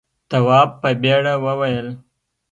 تواب په بېره وویل.